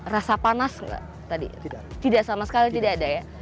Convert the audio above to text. rasa panas tidak tidak sama sekali tidak ada ya